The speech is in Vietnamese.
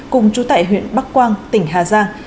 cùng chú tải huyện bắc quang tỉnh hà giang